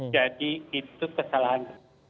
jadi itu kesalahan